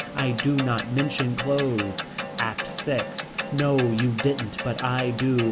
I do not mention clothes. ACT VI. No you didn't but I do.